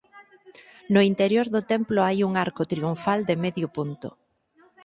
No interior do templo hai un arco triunfal de medio punto.